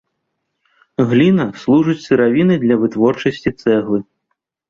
Гліна служыць сыравінай для вытворчасці цэглы.